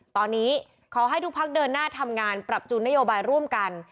ตอนนี้ขอให้ทุกพักเดินหน้าทำงานปรับจูนนโยบายร่วมกัน